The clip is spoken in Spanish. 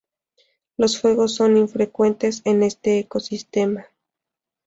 Los fuegos son infrecuentes en este ecosistema.